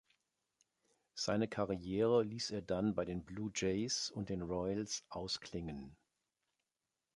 Seine Karriere ließ er dann bei den Blue Jays und den Royals ausklingen.